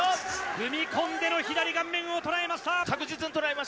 踏み込んでの左顔面をとらえました。